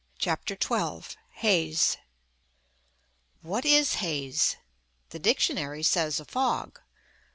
CHAPTER XII HAZE What is haze? The dictionary says, "a fog."